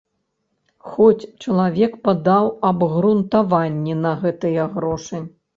Хоць чалавек падаў абгрунтаванні на гэтыя грошы.